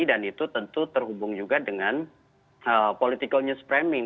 dan itu tentu terhubung juga dengan political news framing